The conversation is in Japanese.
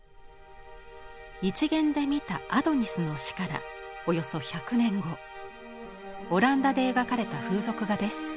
１限で見た「アドニスの死」からおよそ１００年後オランダで描かれた風俗画です。